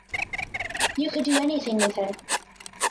You could do anything with her.